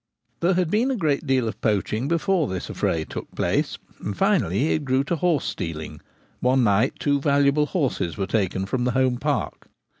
There had been a great deal of poaching before the affray took place, and finally it grew to horse stealing : one night two valuable horses were taken from the home park.